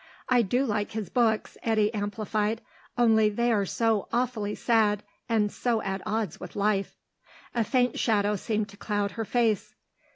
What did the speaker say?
"I do like his books," Eddy amplified; "only they're so awfully sad, and so at odds with life." A faint shadow seemed to cloud her face.